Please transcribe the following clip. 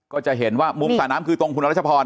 ก็จะเห็นว่ามุมสระน้ำคือตรงคุณรัชพร